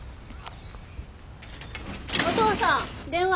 おとうさん電話。